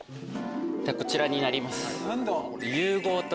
こちらになります。